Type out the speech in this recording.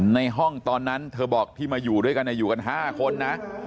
ในห้องตอนนั้นเธอบอกที่มาอยู่ด้วยกันอยู่กัน๕คนนะ